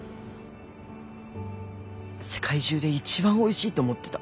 世界中で一番おいしいと思ってた。